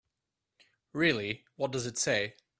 Really, what does it say?